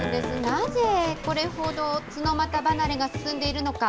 なぜ、これほどツノマタ離れが進んでいるのか。